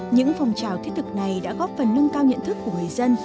những phong trào thiết thực này đã góp phần nâng cao nhận thức của người dân